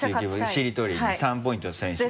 しりとりに３ポイント先取。